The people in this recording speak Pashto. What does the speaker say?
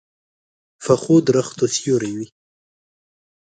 پخو درختو سیوری وي